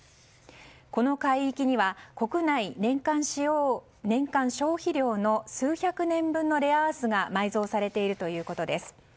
この海域には国内年間消費量の数百年分のレアアースが埋蔵されているということです。